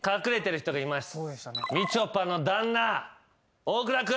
みちょぱのダンナ大倉君。